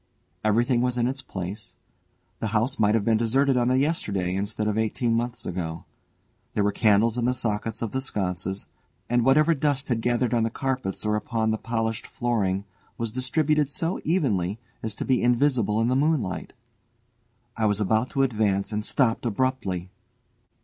Everything was in its place: the house might have been deserted on the yesterday instead of eighteen months ago. There were candles in the sockets of the sconces, and whatever dust had gathered on the carpets or upon the polished flooring was distributed so evenly as to be invisible in the moonlight. I was about to advance, and stopped abruptly.